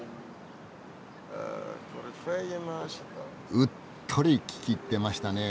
うっとり聞き入ってましたねぇ。